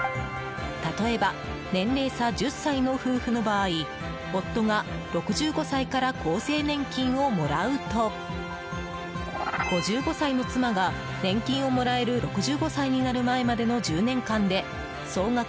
例えば年齢差１０歳の夫婦の場合夫が６５歳から厚生年金をもらうと５５歳の妻が年金をもらえる６５歳になる前までの１０年間で総額